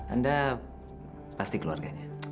anda pasti keluarganya